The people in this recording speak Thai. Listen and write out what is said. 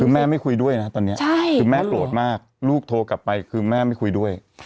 คือแม่ไม่คุยด้วยนะตอนนี้คือแม่โกรธมากลูกโทรกลับไปคือแม่ไม่คุยด้วย